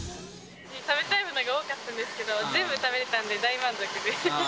食べたいものが多かったんですけど、全部食べられたので、大満足です。